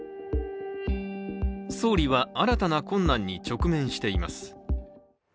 総理は新たな困難に直面しています。